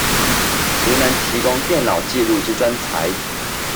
如能提供電腦紀錄之專才